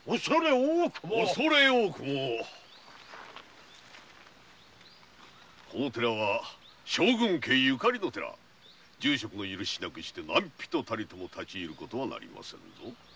おそれ多くもこの寺は将軍家ゆかりの寺住職の許しなくして何びとたりとも立ち入る事なりませぬぞ。